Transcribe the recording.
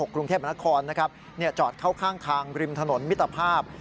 กรุงเทพมนครนะครับจอดเข้าข้างทางริมถนนมิตรภาพ